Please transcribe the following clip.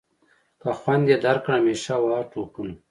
که خوند یې درکړ همیشه وهه ټوپونه.